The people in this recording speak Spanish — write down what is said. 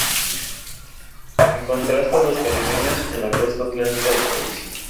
En contraste a los caribeños, en la costa Atlántica del país.